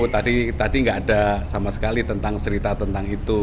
tadi nggak ada sama sekali tentang cerita tentang itu